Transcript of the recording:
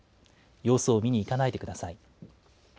様子を見に行かないでください。